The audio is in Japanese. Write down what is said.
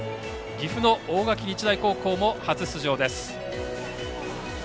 岐阜の大垣日大高校も初出場です。